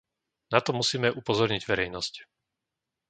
Na to musíme upozorniť verejnosť.